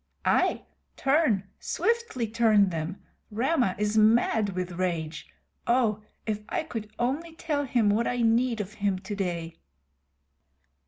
"Ay! Turn. Swiftly turn them! Rama is mad with rage. Oh, if I could only tell him what I need of him to day."